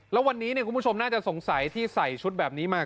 แล้ววันนี้คุณผู้ชมน่าจะสงสัยที่ใส่ชุดแบบนี้มา